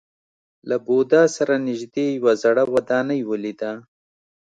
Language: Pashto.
له بودا سره نژدې یوه زړه ودانۍ ولیده.